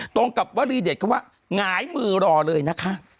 ตรงกับวรีเด็ดคำว่าหงายมือรอเลยนะคะ